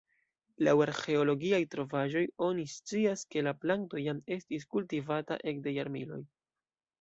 Laŭ arĥeologiaj trovaĵoj oni scias, ke la planto jam estis kultivata ekde jarmiloj.